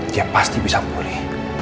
dia pasti bisa pulih